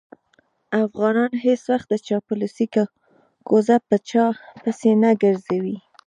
افغانان هېڅ وخت د چاپلوسۍ کوزه په چا پسې نه ګرځوي.